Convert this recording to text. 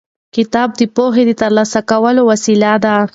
کتاب د پوهې د ترلاسه کولو وسیله ده.